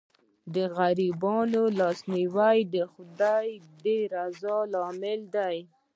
د غریبانو لاسنیوی د خدای د رضا لامل دی.